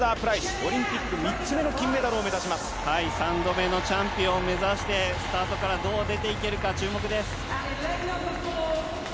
オリンピック３つ目の金３度目のチャンピオンを目指してスタートからどう出ていくか注目です。